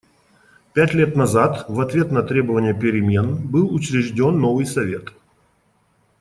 Пять лет назад, в ответ на требования перемен, был учрежден новый Совет.